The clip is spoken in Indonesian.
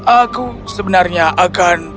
aku sebenarnya akan